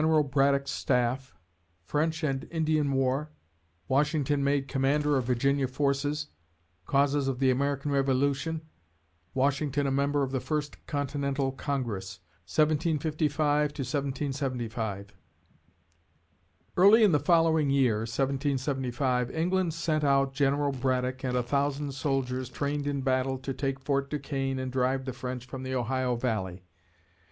BRADDOCK'S STAFF FRENCH AND INDIAN WAR WASHINGTON MADE COMMANDER OF VIRGINIA FORCES CAUSES OF THE AMERICAN REVOLUTION WASHINGTON A MEMBER OF THE FIRST CONTINENTAL CONGRESS 1755 1775 Early in the following year (1775), England sent out General Braddock and a thousand soldiers, trained in battle, to take Fort Duquesne and drive the French from the Ohio Valley.